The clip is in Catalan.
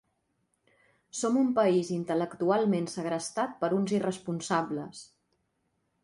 Som un país intel·lectualment segrestat per uns irresponsables